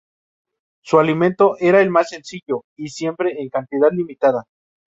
Su alimento era el más sencillo y siempre en cantidad limitada.